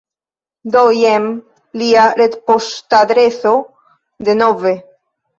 Do, jen lia retpoŝtadreso denove